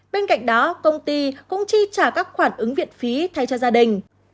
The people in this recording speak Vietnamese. bên cạnh đó công ty cũng chi trả các khoản ứng viện phí thay cho gia đình